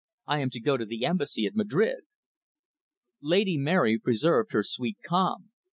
I am to go to the Embassy at Madrid." Lady Mary preserved her sweet calm.